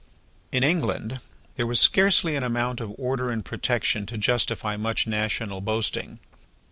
In England, there was scarcely an amount of order and protection to justify much national boasting.